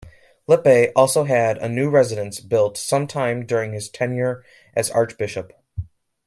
Lippay also had a new residence built sometime during his tenure as archbishop.